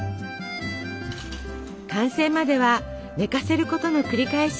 完成までは寝かせることの繰り返し。